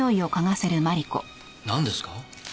なんですか？